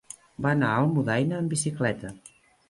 Va anar a Almudaina amb bicicleta.